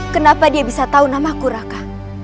kenapa dia bisa tahu namaku raka